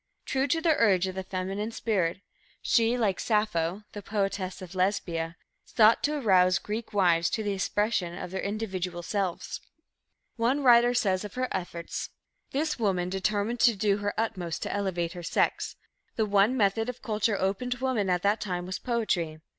True to the urge of the feminine spirit, she, like Sappho, the poetess of Lesbia, sought to arouse the Greek wives to the expression of their individual selves. One writer says of her efforts: "This woman determined to do her utmost to elevate her sex. The one method of culture open to women at that time was poetry.